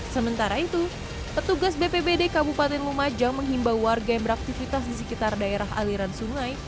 sementara itu petugas bpbd kabupaten lumajang menghimbau warga yang beraktivitas di sekitar daerah aliran sungai